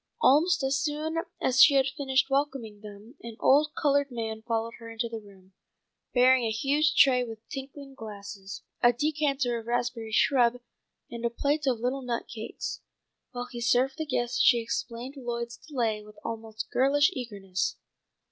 Almost as soon as she had finished welcoming them an old coloured man followed her into the room, bearing a huge tray with tinkling glasses, a decanter of raspberry shrub, and a plate of little nut cakes. While he served the guests she explained Lloyd's delay with almost girlish eagerness.